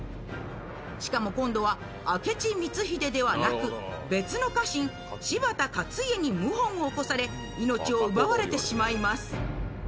しかも今度は明智光秀ではなく別の家臣・柴田勝家に謀反を起こされ命を奪われてしまいます。